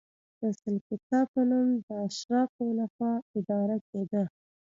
د سلکتا په نوم د اشرافو له خوا اداره کېده.